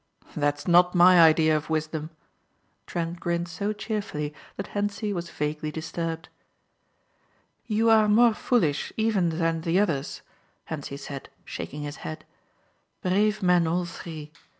"That's not my idea of wisdom," Trent grinned so cheerfully that Hentzi was vaguely disturbed. "You are more foolish even than the others," Hentzi said, shaking his head. "Brave men, all three.